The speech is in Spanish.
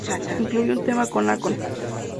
Incluye un tema con Akon.